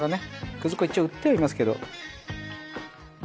くず粉一応売ってはいますけど。